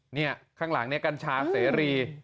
นี่ข้างหลังเนี่ยกัญชาเสรี